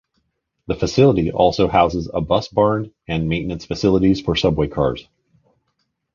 The facility also houses a bus barn and maintenance facilities for subway cars.